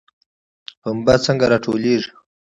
پنبه څنګه راټولیږي؟